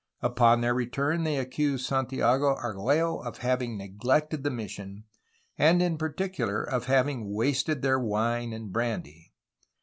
Upon their return they accused Santiago Argiiello of having neglected the mission, and in particular of having wasted their wine and brandy.